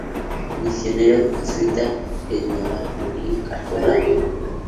Misionero jesuita, etnógrafo y cartógrafo.